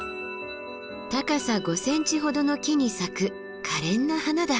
高さ５ｃｍほどの木に咲くかれんな花だ。